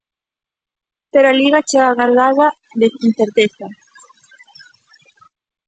Pero a Liga chega cargada de incerteza.